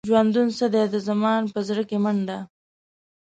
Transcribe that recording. ژوندون څه دی؟ د زمان په زړه کې منډه.